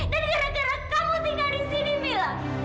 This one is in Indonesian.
dan gara gara kamu tinggal di sini mila